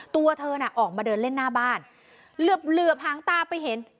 ตัวเธอน่ะออกมาเดินเล่นหน้าบ้านเหลือบหางตาไปเห็น